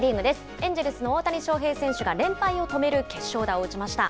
エンジェルスの大谷翔平選手が連敗を止める決勝打を打ちました。